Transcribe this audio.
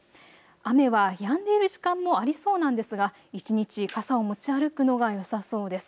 雨はやんでいる時間もありそうなんですが一日傘を持ち歩くのがよさそうです。